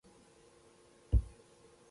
په سړک کې ولې احتیاط وکړو؟